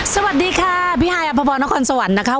สวัสดีค่ะพี่ฮายอพบรนครสวรรค์นะคะ